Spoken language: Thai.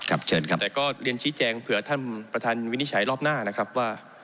เชิญครับแต่ก็เรียนชี้แจงเผื่อท่านประธานวินิจฉัยรอบหน้านะครับว่า